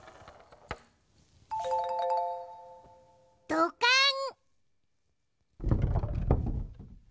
どかん！